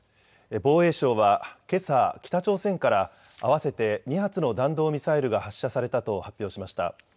防衛省はけさ、北朝鮮から合わせて２発の弾道ミサイルが発射されたと発表しました。